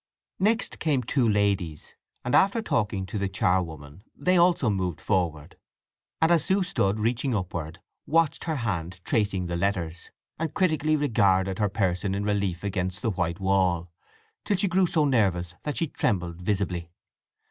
Next came two ladies, and after talking to the charwoman they also moved forward, and as Sue stood reaching upward, watched her hand tracing the letters, and critically regarded her person in relief against the white wall, till she grew so nervous that she trembled visibly.